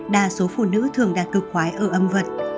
đa số phụ nữ thường đã cực khoái ở âm vật